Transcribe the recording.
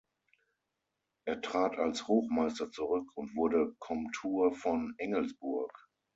Er trat als Hochmeister zurück und wurde Komtur von Engelsburg.